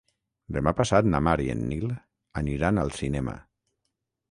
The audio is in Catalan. Demà passat na Mar i en Nil aniran al cinema.